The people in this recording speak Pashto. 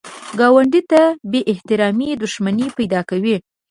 ګاونډي ته بې احترامي دښمني پیدا کوي